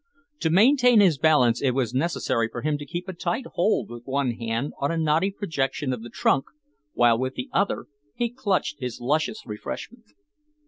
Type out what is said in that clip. To maintain his balance it was necessary for him to keep a tight hold with one hand on a knotty projection of the trunk while with the other he clutched his luscious refreshment.